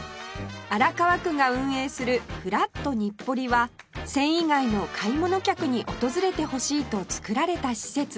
荒川区が運営する「ふらっとにっぽり」は繊維街の買い物客に訪れてほしいと造られた施設